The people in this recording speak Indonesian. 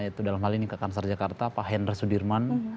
yaitu dalam hal ini ke kansar jakarta pak hendra sudirman